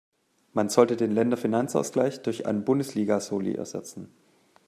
Man sollte den Länderfinanzausgleich durch einen Bundesliga-Soli ersetzen.